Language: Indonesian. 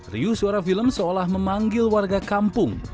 riu suara film seolah memanggil warga kampung